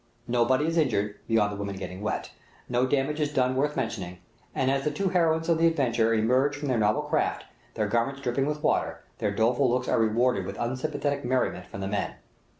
Nobody is injured, beyond the women getting wet; no damage is done worth mentioning, and as the two heroines of the adventure emerge from their novel craft, their garments dripping with water, their doleful looks are rewarded with unsympathetic merriment from the men.